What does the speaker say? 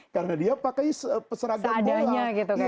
karena dia pakai peseragam bola